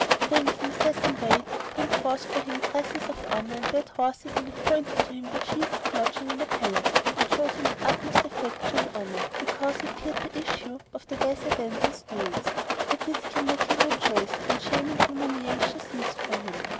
Then King Sasan bade bring forth for him dresses of honour and led horses and appointed to him the chief lodging in the palace, and showed him the utmost affection and honour, because he feared the issue of the Wazir Dandan's doings. At this Kanmakan rejoiced and shame and humiliation ceased from him.